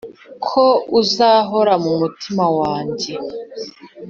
ko uzahora mu mutima wanjye,